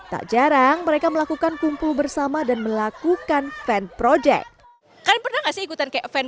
tak jarang mereka melakukan kumpul bersama dan melakukan fan project